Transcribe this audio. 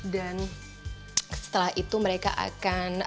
dan setelah itu mereka akan